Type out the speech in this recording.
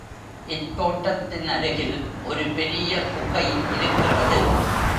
இத்தோட்டத்தின் அருகில் ஒரு பெரிய குகை இருக்கிறது.